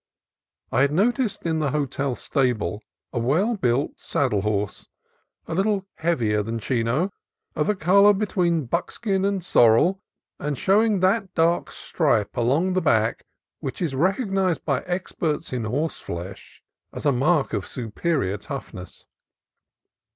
I had noticed in the hotel stable a well built saddle horse, a little heavier than Chino, of a color between buckskin and sorrel, and showing that dark stripe along the back which is recognized by experts in horseflesh as a mark of su perior toughness.